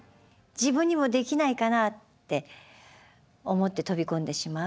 自分にもできないかな」って思って飛び込んでしまう。